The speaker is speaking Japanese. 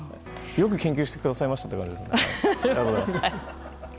よく研究してくださいました。